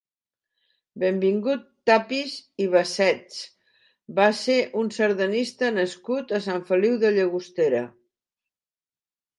Benvingut Tapis i Bassets va ser un sardanista nascut a Sant Feliu de Llagostera.